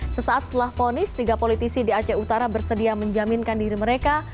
sesaat setelah ponis tiga politisi di aceh utara bersedia menjaminkan diri mereka